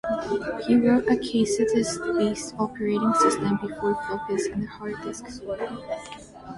He wrote a cassette-based operating system before floppies and hard disks were common.